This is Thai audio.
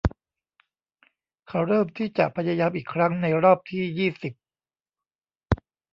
เขาเริ่มที่จะพยายามอีกครั้งในรอบที่ยี่สิบ